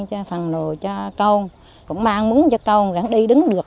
rồi cho con cũng mang múng cho con ráng đi đứng được